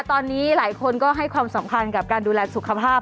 ตอนนี้หลายคนก็ให้ความสำคัญกับการดูแลสุขภาพ